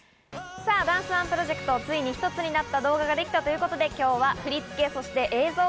さぁダンスＯＮＥプロジェクトついにひとつになった動画が出来たということで今日は振り付けそして映像監督